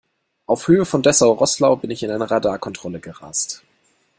Auf Höhe von Dessau-Roßlau bin ich in eine Radarkontrolle gerast.